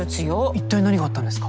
一体何があったんですか？